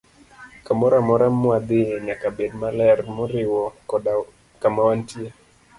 Kamoro amora mwadhiye nyaka bed maler, moriwo koda kama wantie.